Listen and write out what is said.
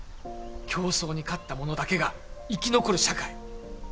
競争に勝ったものだけが生き残る社会。